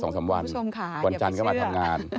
คุณผู้ชมค่ะอย่าไปเชื่อวันจันทร์ก็มาทำงาน